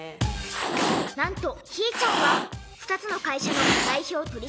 なんとひーちゃんは２つの会社の代表取締役に！